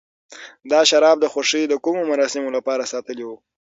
دا شراب د خوښۍ د کومو مراسمو لپاره ساتلي و.